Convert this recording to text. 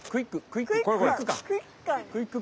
クイック。